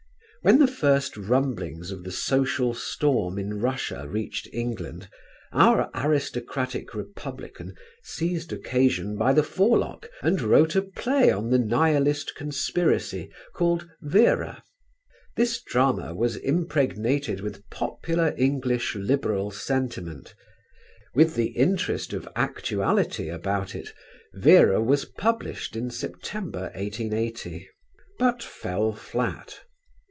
When the first rumblings of the social storm in Russia reached England, our aristocratic republican seized occasion by the forelock and wrote a play on the Nihilist Conspiracy called Vera. This drama was impregnated with popular English liberal sentiment. With the interest of actuality about it Vera was published in September, 1880; but fell flat.